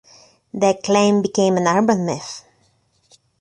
The claim became an urban myth.